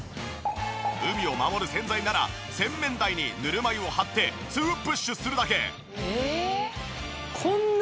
海をまもる洗剤なら洗面台にぬるま湯を張って２プッシュするだけ。